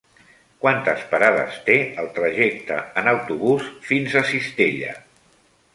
Quantes parades té el trajecte en autobús fins a Cistella?